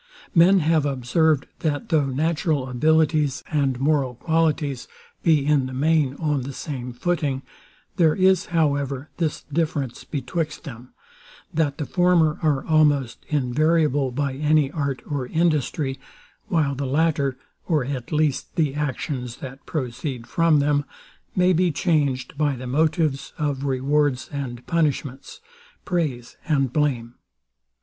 Men have observed, that though natural abilities and moral qualities be in the main on the same footing, there is, however, this difference betwixt them, that the former are almost invariable by any art or industry; while the latter, or at least, the actions, that proceed from them, may be changed by the motives of rewards and punishments, praise and blame.